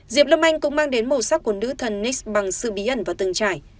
diệp lâm anh cũng mang đến màu sắc của nữ thần nyx bằng sự bí ẩn và từng trải